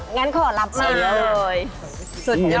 งั้นขอรับใหม่เลยสุดยอด